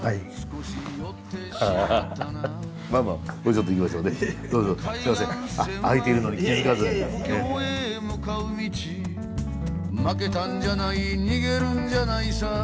「負けたんじゃない逃げるんじゃないさ」